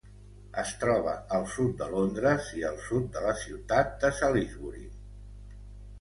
Es troba al sud de Londres i al sud de la ciutat de Salisbury.